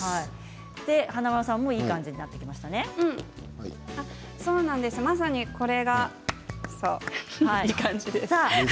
華丸さんもいい感じにそうです、まさにこれがいい感じです。